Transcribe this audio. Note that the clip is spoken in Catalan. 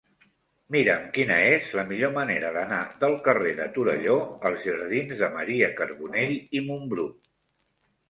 Mira'm quina és la millor manera d'anar del carrer de Torelló als jardins de Maria Carbonell i Mumbrú.